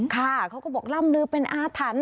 ค่ะเขาก็บอกล่ำลือเป็นอาถรรพ์